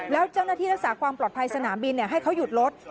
แล้วเจ้าหน้าที่รักษาความปลอดภัยสนามบินให้เขาหยุดรถ